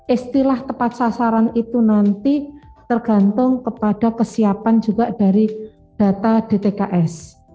istilah tepat sasaran itu nanti tergantung kepada kesiapan juga dari data dtks